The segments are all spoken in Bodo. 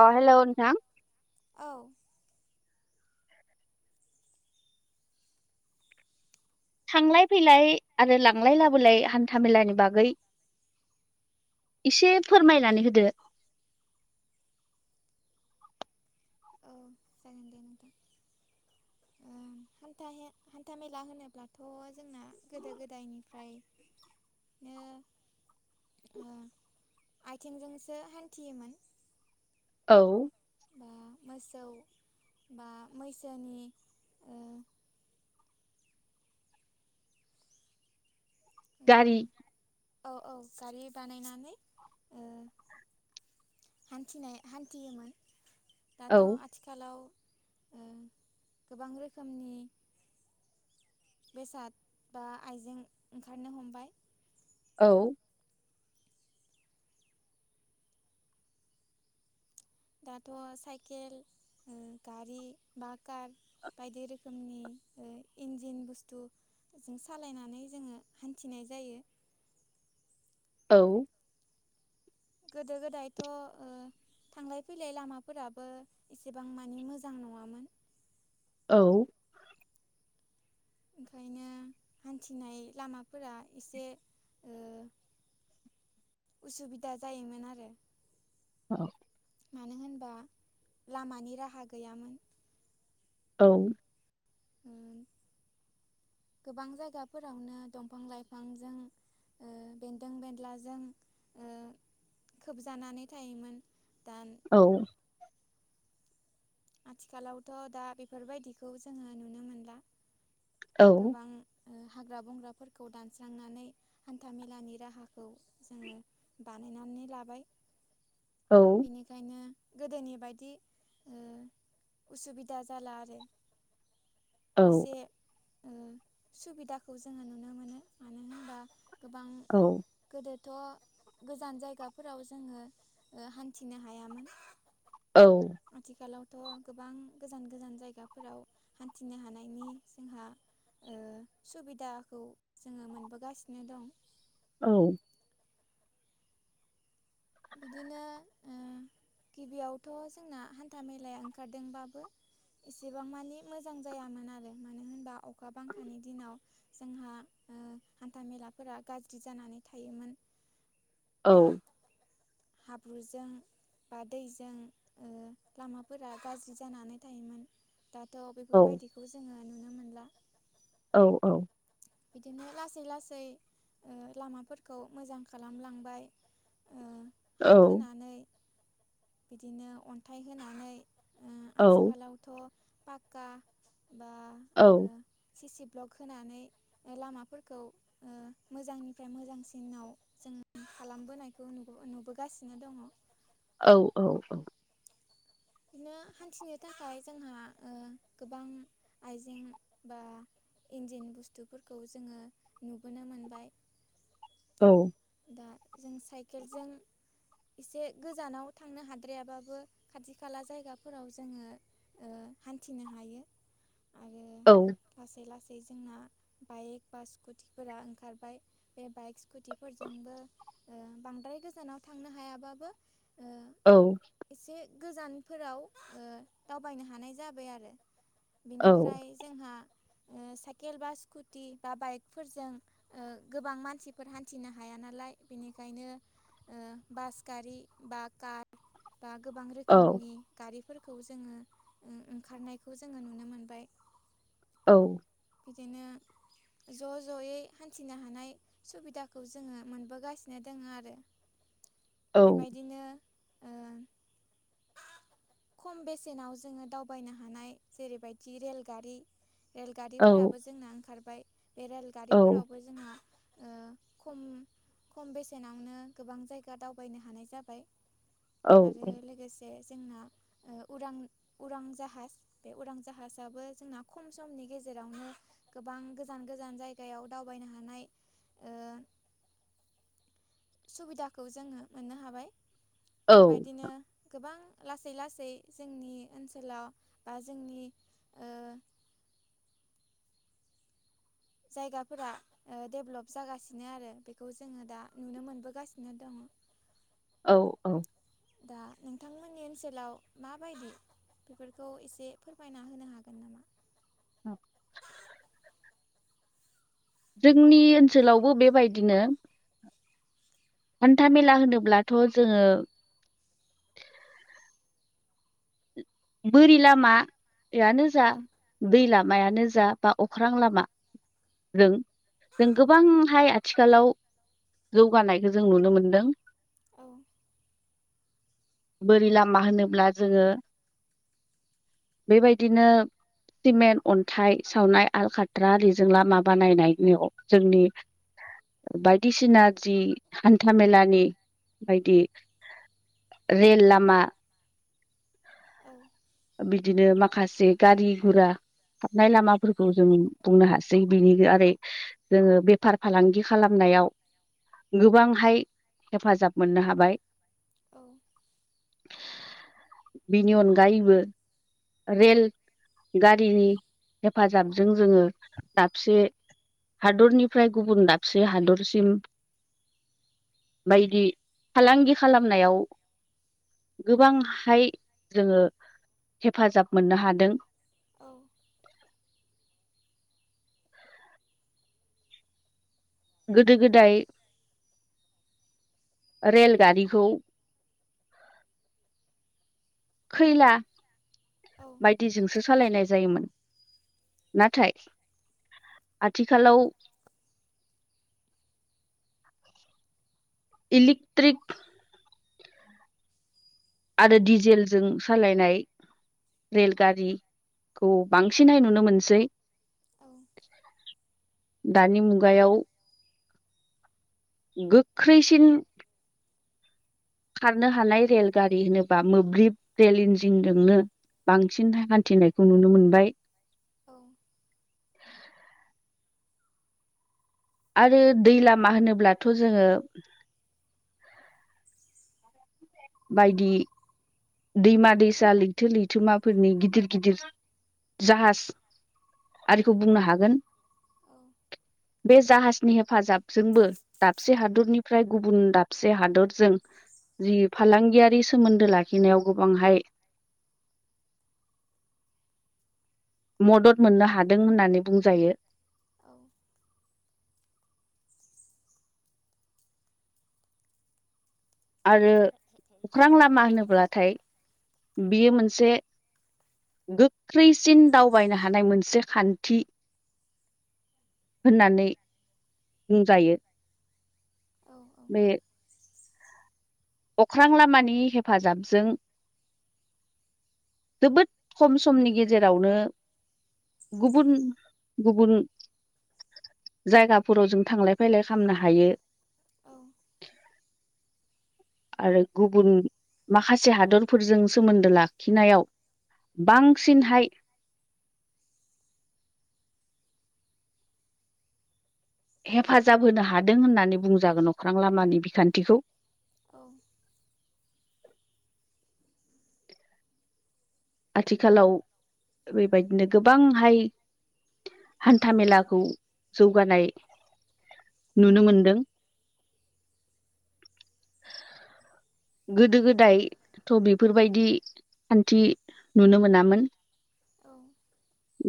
अ हेल' नोंथां। औ। थांलाय फैलाय आरो लांलाय लाबोलाय हान्था मेलानि बागै इसे फोरमायनानै होदो। औ जागोन दे नोंथां। थ हान्था मेला होनोब्लाथ' जोंना गोदो गोदायनिफ्राय बिदिनो ओ आयथिंजोंसो हान्थियोमोन। औ। बा मोसौ बा मैसोनि ओ ओ गारि औ औ गारि बानायनानै ओ हान्थिनाय हान्थियोमोन दाथ' औ आथिखालाव ओ गोबां रोखोमनि बेसाद बा आइजें ओंखारनो हमबाय। औ। दाथ' साइकेल गारि बा कार बायदि रोखोमनि ओ इन्जिन बुस्थु जों सालायनानै जोङो हान्थिनाय जायो। औ। गोदो गोदायथ' ओ थांलाय फैलाय लामाफोराबो एसेबां मानि मोजां नङामोन। औ। ओंखायनो हान्थिनाय लामाफोरा एसे ओ औ। मानो होनबा लामानि राहा गैयामोन। औ। गोबां जायगाफोरावनो दंफां लाइफांजों बेन्दों बेन्लाजों खोबजानानै थायोमोन। दा औ। आथिखालावथ' दा बेफोरबायदिखौ जोङो नुनो मोनला। औ गोबां हाग्रा -बंग्राफोरखौ दानस्रांनानै हान्था- मेलानि राहाखौ जोङो बानाय गायनानै लाबाय बेनिखायनो गोदोनि बायदि उसुबिदा जाला आरो। औ एसे सुबिदाखौ जोङो नुनो मोनो। मानो होनबा गोबां औ। थ' गोजान जायगाफोराव जोङो हान्थिनो हायामोन। औ आथिखालाव थ' गोबां गोजान -गोजान जायगाफोराव हान्थिनो हानायनि जोंहा सुबिदाखौ जोङो मोनबोगासिनो दं। औ। बिदिनो गिबियावथ' जोंना हान्था- मेलाया ओंखारदोंबाबो एसेबां मानि मोजां जायामोन आरो। मानो होनबा अखा बांखानि दिनाव जोंहा हान्थाामेलाफोरा गाज्रि जानानै थायोमोन। औ। हाब्रुजों बा दैजों लामाफोरा गाज्रि जानानै थायोमोन। दाथ' बेफोरबायदिखौ जोङो नुनो मोनला। औ औ। बिदिनो लासै -लासै लामाफोरखौ मोजां खालामलांबाय। औ हा खोनानै बिदिनो अन्थाइ होनानै आथिखालावथ' पाक्का बा औ ब्लक होनानै लामाफोरखौ मोजांनिफ्राय मोजांसिनाव जों खालामबोनायखौ नुबोगासिनो दङ। औ औ औ। [unintelligible] हान्थिनो थाखाय जोंहा गोबां आइजें बा इन्जिन बुस्थुफोरखौ जोङो नुबोनो मोनबाय। औ। दा जों साइकेलजों एसे गोजानाव थांनो हाद्रायाबाबो खाथि [unintelligible] [unintelligible] जायगाफोराव जोङो हान्थिनो हायो आरो। औ। लासै लासै जोंना बाइक बा स्कुटिफोरा ओंखारबाय। बे बाइक स्कुटिफोरजों बांद्राय गोजानाव थांनो हायाबाबो ओ औ। एसे गोजानफोराव ओ दावबायनो हानाय जाबाय आरो। बिनिफ्राय जोंहा ओ साइकेल बा स्कुटि बा बाइकफोरजों गोबां मानसिफोर हान्थिनो हाया नालाय बेनिखायनो ओ बास गारि बा कार बा गोबां [unintelligible] गारिफोरखौ जोङो ओ ओंखारनायखौ जोङो नुनो मोनबाय। औ। बिदिनो ज' ज'यै हान्थिनो हानाय सुबिदाखौ जोङो मोनबोगासिनो दोङो आरो। बेबायदिनो ओ खम बेसेनाव जोङो दावबायनो हानाय जेरैबायदि रेलगारि रेलगारिफोराबो जोंना ओंखारबाय बे रेलगारिफोरावबो जोंहा ओ खम खम बेसेनावनो गोबां जायगा दावबायनो हानाय जाबाय आरो लोगोस बे जोंना ओ उरां उरांजाहास बे उरां जाहासाबो जोंना खम समनि गेजेरावनो गोबां गोजान गोजान जायगायाव दावबायनो हानाय ओ सुबिदाखौ जोङो मोननो हाबाय बेबायदिनो गोबां लासै लासै जोंनि ओनसोलाव बा जोंनि ओ [inaudible] जायगाफोरा ओ देबलब जागासिनो आरो बेखौ जोङो दा नुनो मोनबोगासिनो दोङो [inaudible] औ औ दा नोंथांमोन- नि ओनसोलाव माबायदि बेफोरखौ एसे फोरमायना होनो हागोन नामा? औ जोंनि ओनसोलावबो बेबायदिनो हान्था मेला होनोब्लाथ' जोङो बोरि लामायानो जा औ दै लाम मायानो जा बा अख्रां लामा रों जों गोबांहाय आथिखालाव जौगानायखौ जों नुनो मोनदों। औ बोरि लामा होनोब्ला जोङो [inaudible] बेबायदिनो सिमेन्ट अन्थाइ सावनाय आल खाथ्रा आरिजों लामा बानायनायव जोंनि बायदिसिना जि हान्था मेलानि बायदि रेल लामा औ बिदिनो माखासे गारि फोरा हाबनाय लामाफोरखौ जों बुंनो हासै बिनि आरो जोङो बेफार फालांगि खालामनाय नायाव गोबांहाय हेफाजाब मोननो हाबाय औ बेनि अनगायैबो रेल गारिनि हेफाजाबजों जोङो दाबसे हादरनिफ्राय गुबुन दाबसे हादरसिम बायदि फालांगि खालामनायाव गोबांहाय जोङो हेफाजाब मोननो हादों औ गोदो गोदाय रेलगारिखौ खैला औ बायदिजोंसो सालायनाय जायोमोन नाथाय आथिखालाव ? इलिकक्ट्रिक! आरो दिडिजेलजों सालायनाय! रेलगारिखौ बांसिनहाय नुनो मोनसै! औ दानि मुगायाव! गोख्रैसिन! खारनो हानाय रेलगारि होनोबा मोब्लिब रेल इन्जिनजोंनो! बांसिन हान्थिनायखौ नुनो मोनबाय! औ आरो दै लामा होनोब्लाथ' जोङो! बायदि! दैमा-दैसा लैथो लैथोमाफोरनि गिदिर गिदिर जाहाज! औ आरिखौ बुंनो हागोन! औ बे जाहाजनि हेफाजाबजोंबो दाबसे हादरनिफ्राय गुबुन दाबसे हादरजों! जि फालांगियारि सोमोन्दो ला! खिनायाव गोबांहाय! मदद मोननो हादों होननानै बुंजायो! औ आरो अख्रां लामा होनोब्लाथाय बियो मोनसे! गोख्रैसिन दावबायनो हानाय मोनसे खान्थि! होननानै बुंजायो! औ बे! अख्रां लामानि हेफाजाबजों! जोबोद खम समनि गेजेरावनो! गुबुन - गुबुन! जायगाफोराव जों थांलाय-फायलाय खालामनो हायो! औ! आरो गुबुन माखासे हादरफोरजों सोमोन्दो लाखिनायाव! बांसिनहाय! ? हेफाजाब होनो हादों होननानै बुंजागोन अख्रां लामानि बिखान्थिखौ! औ! आथिखालाव बेबायदिनो गोबांहाय! हान्थामेलाखौ जौगानाय! नुनो मोनदों! ? गोदो गोदायथ' बेफोरबायदि खान्थि नुनो मोनामोन! औ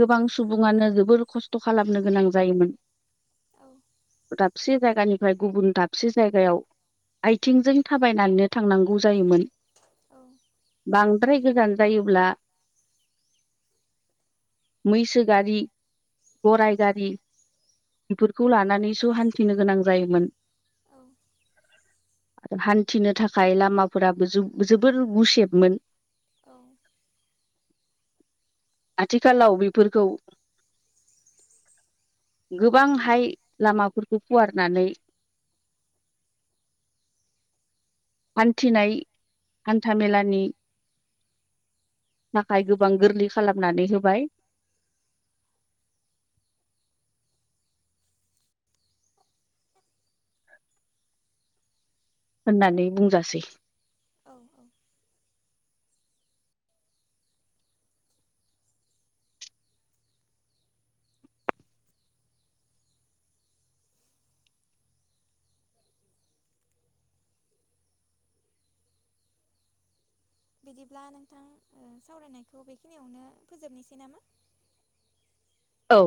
गोबां सुबुङानो जोबोर खस्थ' खालामनो गोनां जायोमोन! दापसि जायगानिफ्राय गुबुन दाबसे जायगायाव आथिंजों थाबायनानैनो थांनांगौ जायोमोन! औ द्राय गोजान जायोब्ला! मैसो गारि गरराय गारि! बेफोरखौ लानानैसो हान्थिनो गोनां जायोमोन! औ हान्थिनो थाखाय लामाफोराबो जोबोर गुसेबमोन! औ आथिखालाव बेफोरखौ! गोबांहाय लामाफोरखौ फुवारनानै! [inaudible] हान्थिनाय हान्थामेलानि थाखाया गोबां गोरलै खालामनानै होबाय [inaudible] होननानै बुंजासै औ औ बिदिब्ला नोंथां सावरायनायखौ बेखिनियावनो फोजोबनोसै नामा? औ